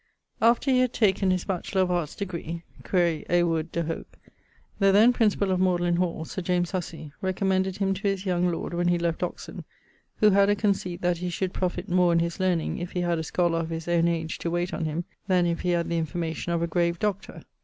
_> After he had taken his batchelor of Arts degree (quaere A. Wood de hoc), the than principall of Magdalen hall (Sir James Hussey) recommended him to his yong lord when he left Oxon, who had a conceit that he should profitt more in his learning if he had a scholar of his owne age to wayte on him then if he had the information of a grave doctor.